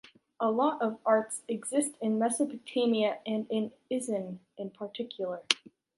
A lot of arts exist in Mesopotamia and in Isin in particular.